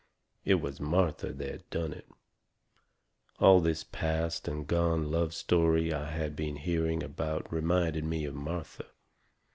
It was Martha that done it. All this past and gone love story I had been hearing about reminded me of Martha.